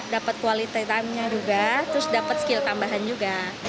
dapat quality timenya juga terus dapat skill tambahan juga